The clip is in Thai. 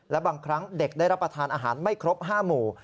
และบางครั้งเด็กได้รับประทานอาหารไม่ครบ๕หมู่